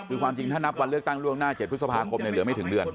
คือความจริงถ้านับวันเลือกตั้งล่วงหน้า๗พฤษภาคมเหลือไม่ถึงเดือน